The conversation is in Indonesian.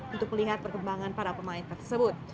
untuk melihat perkembangan para pemain tersebut